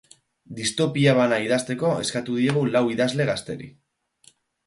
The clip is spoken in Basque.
Distopia bana idazteko eskatu diegu lau idazle gazteri.